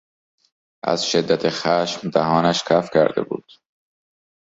از شدت خشم دهانش کف کرده بود.